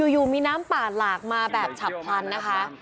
อยู่มีน้ำป่าหลากมาแบบฉับพลันนะคะ